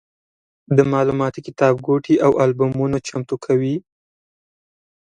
د معلوماتي کتابګوټي او البومونه چمتو کوي.